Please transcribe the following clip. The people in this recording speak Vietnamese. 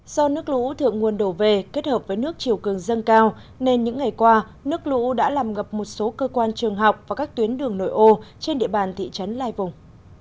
do nước lũ thượng nguồn đổ về kết hợp với nước chiều cường dâng cao nên những ngày qua nước lũ đã làm ngập một số cơ quan trường học và các tuyến đường nội ô trên địa bàn thị trấn lai vùng